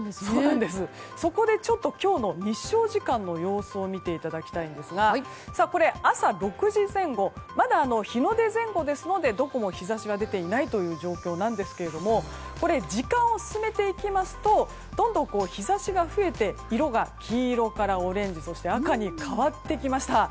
そこで今日の日照時間の様子を見ていただきたいんですが朝６時前後まだ日の出前後ですのでどこも日差しは出ていないという状況なんですが時間を進めていきますとどんどん日差しが増えて色が黄色からオレンジそして赤に変わってきました。